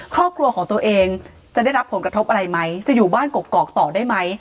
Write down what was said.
ครอบครัวของตัวเองจะได้รับผลกระทบอะไรไหมจะอยู่บ้านกกอกต่อได้ไหม